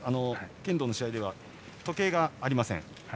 剣道の試合では時計がありません。